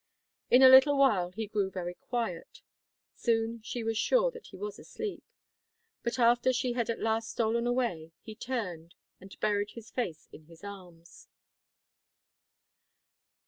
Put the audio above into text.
In a little while he grew very quiet. Soon she was sure that he was asleep. But after she had at last stolen away he turned and buried his face in his arms.